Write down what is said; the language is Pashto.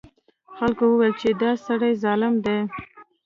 خلکو وویل چې دا سړی ظالم دی.